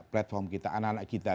platform kita anak anak kita